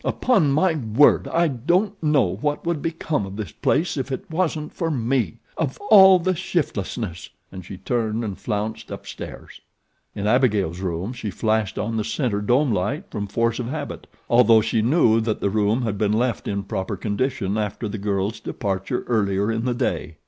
Upon my word, I don't know what would become of this place if it wasn't for me. Of all the shiftlessness!" and she turned and flounced upstairs. In Abigail's room she flashed on the center dome light from force of habit, although she knew that the room had been left in proper condition after the girl's departure earlier in the day.